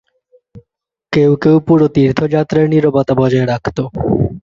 কেউ কেউ পুরো তীর্থযাত্রায় নীরবতা বজায় রাখত।